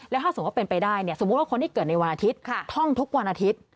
ถ้าสมมุติเป็นไปได้เนี่ยสมมุติว่าคนที่เกิดในวันอาทิตย์ท่องทุกวันอาทิตย์